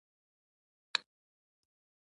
غوماشې د ملاریا له لاملونو دي.